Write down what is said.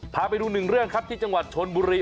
พาไปดูหนึ่งเรื่องครับที่จังหวัดชนบุรี